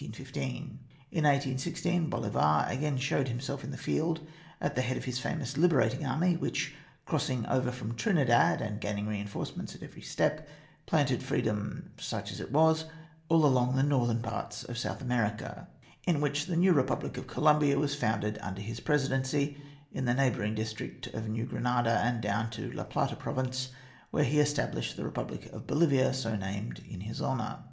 In 1816 Bolivar again showed himself in the field at the head of his famous liberating army, which, crossing over from Trinidad, and gaining reinforcements at every step, planted freedom, such as it was, all along the northern parts of South America, in which the new republic of Colombia was founded under his presidency, in the neighbouring district of New Granada, and down to the La Plata province, where he established the republic of Bolivia, so named in his honour.